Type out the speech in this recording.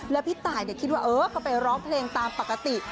และพี่ตายเรื่องขวัญก็ไปร้องเพลงตามปกติ